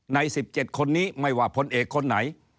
ใน๑๗คนนี้ไม่ว่าพลเอกคนไหน